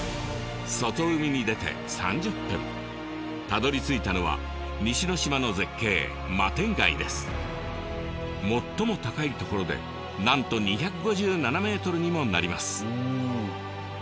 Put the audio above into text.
たどりついたのは西ノ島の絶景最も高い所でなんと２５７ｍにもなります。